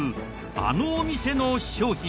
あのお店の商品。